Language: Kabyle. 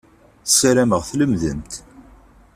Sarameɣ tlemmdemt.